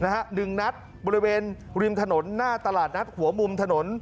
หนึ่งนัดบริเวณริมถนนหน้าตลาดนัดหัวมุมถนน